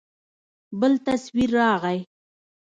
بل تصوير راغى.